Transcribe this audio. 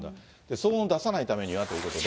騒音出さないためにはということで。